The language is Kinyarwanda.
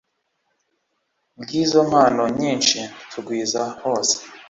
Bw izo mpano nyinshi tugwiza hose